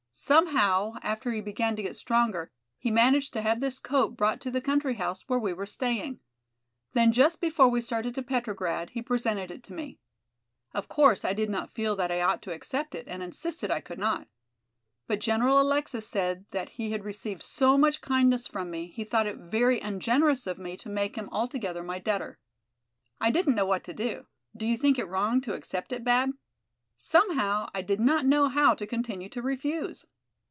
Somehow, after he began to get stronger, he managed to have this coat brought to the country house where we were staying. Then just before we started to Petrograd he presented it to me. Of course, I did not feel that I ought to accept it and insisted I could not. But General Alexis said that he had received so much kindness from me, he thought it very ungenerous of me to make him altogether my debtor. I didn't know what to do. Do you think it wrong to accept it, Bab? Somehow I did not know how to continue to refuse."